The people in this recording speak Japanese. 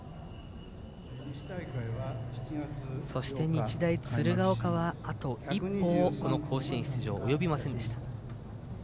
そして、日大鶴ヶ丘はあと一歩、甲子園出場及びませんでした。